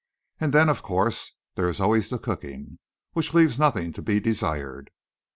And then, of course, there is always the cooking, which leaves nothing to be desired.